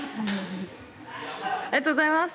ありがとうございます。